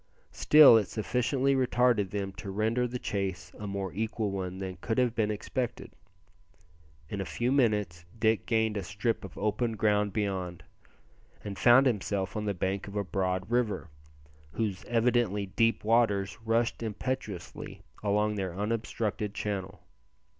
Still, it sufficiently retarded them to render the chase a more equal one than could have been expected. In a few minutes Dick gained a strip of open ground beyond, and found himself on the bank of a broad river, whose evidently deep waters rushed impetuously along their unobstructed channel.